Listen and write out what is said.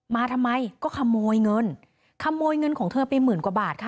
มาทำไมก็ขโมยเงินขโมยเงินของเธอไปหมื่นกว่าบาทค่ะ